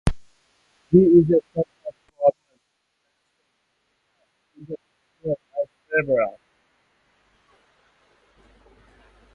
He is the son of former Philadelphia Eagles receiver Vince Papale.